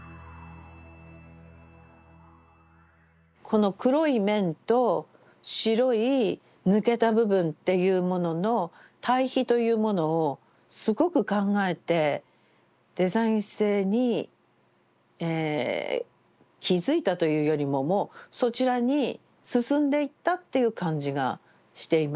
この黒い面と白い抜けた部分っていうものの対比というものをすごく考えてデザイン性に気付いたというよりももうそちらに進んでいったっていう感じがしています。